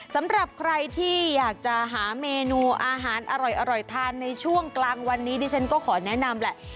สำหรับใครที่อยากจะหาเมนูอาหารอร่อยทานในช่วงกลางวันนี้ดิฉันก็ขอแนะนำแหละ